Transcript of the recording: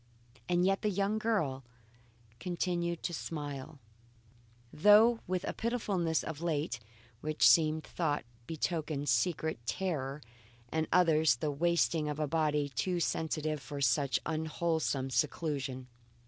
And yet the young girl continued to smile, though with a pitifulness of late, which some thought betokened secret terror and others the wasting of a body too sensitive for such unwholesome seclusion.